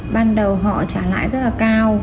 ban đầu họ trả lãi rất là cao